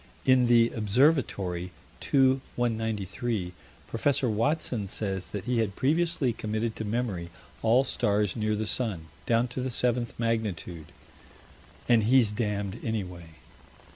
In the Observatory, 2 193, Prof. Watson says that he had previously committed to memory all stars near the sun, down to the seventh magnitude And he's damned anyway.